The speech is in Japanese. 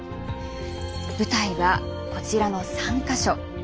舞台はこちらの３か所。